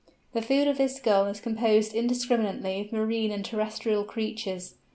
The food of this Gull is composed indiscriminately of marine and terrestrial creatures.